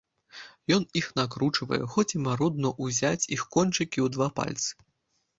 Ён іх накручвае, хоць і марудна ўзяць іх кончыкі ў два пальцы.